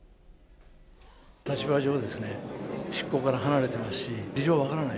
立場上ですね、執行から離れてますし、事情は分からない。